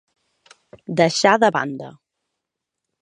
Deixar de banda.